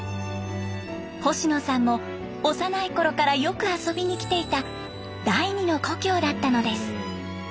星野さんも幼いころからよく遊びに来ていた第二の故郷だったのです。